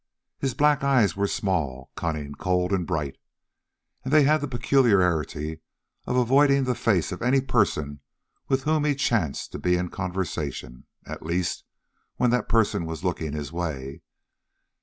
His black eyes were small, cunning, cold, and bright, and they had the peculiarity of avoiding the face of any person with whom he chanced to be in conversation, at least when that person was looking his way.